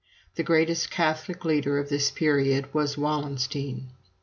The greatest Catholic leader of this period was Wallenstein.